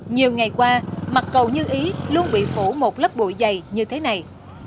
nhiều ngày qua mặt cầu như ý luôn bị phủ một lớp bụi dày như thế này